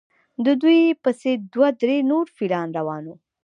د دوی پسې دوه درې نور فیلان روان وو.